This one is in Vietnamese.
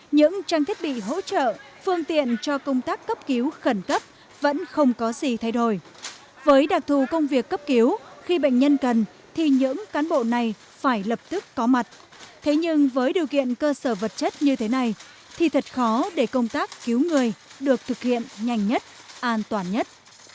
những trang thiết bị hỗ trợ phương tiện cho công tác cấp cứu khẩn cấp vẫn không có gì thay đổi với đặc thù công việc cấp cứu khi bệnh nhân cần thì những cán bộ này phải lập tức có mặt thế nhưng với điều kiện cơ sở vật chất như thế này thì thật khó để công tác cứu người được thực hiện nhanh nhất an toàn nhất